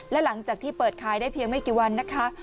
และหลังจากที่เปิดขายได้เพียงไม่กี่วันนะคะ